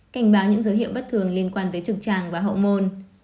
cảnh báo những dấu hiệu bất thường liên quan tới trực tràng và hậu môn